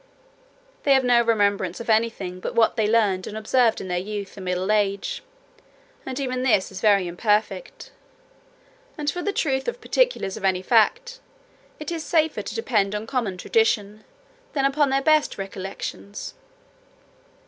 They have no remembrance of anything but what they learned and observed in their youth and middle age, and even that is very imperfect; and for the truth or particulars of any fact, it is safer to depend on common tradition, than upon their best recollections.